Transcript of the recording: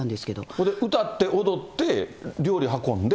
それで歌って踊って料理運んで。